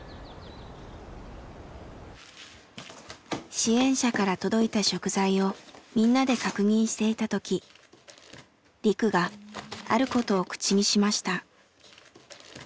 支援者から届いた食材をみんなで確認していたときリクがあることを口にしました。